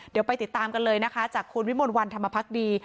เดี๋ยวไปติดตามกันเลยนะคะจากคุณวิมลวันธรรมพักดี